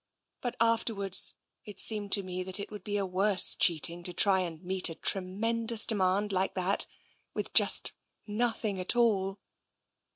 But afterwards, it seemed to me that it would be a worse cheating to try and meet a tremendous demand like that with just nothing at all.